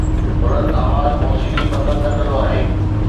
بلند آواز موسيقي پسند نه ڪندو آھي